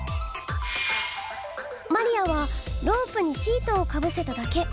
マリアはロープにシートをかぶせただけ。